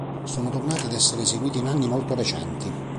Sono tornate ad essere eseguite in anni molto recenti.